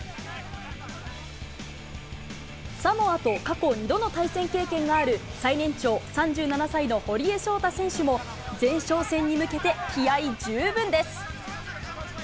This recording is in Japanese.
サモアと過去２度の対戦経験がある、最年長、３７歳の堀江翔太選手も、前哨戦に向けて、気合い十分です。